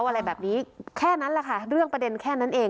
อะไรแบบนี้แค่นั้นแหละค่ะเรื่องประเด็นแค่นั้นเอง